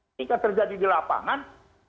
ini kan terjadi di lapangan